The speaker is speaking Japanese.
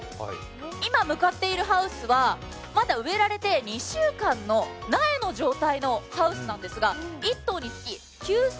今向かっているハウスはまだ植えられて２週間の苗の状態のハウスなんですが、１棟につき９０００